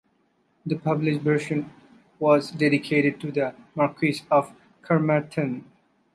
The published version was dedicated to the Marques of Carmarthen.